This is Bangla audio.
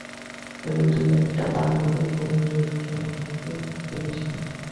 যদিও তুই একটা বানর এবং জুজুৎসু সম্পর্কে কিছুই বুঝিস না।